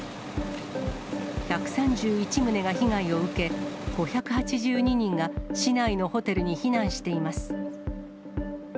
１３１棟が被害を受け、５８２人が市内のホテルに避難しています。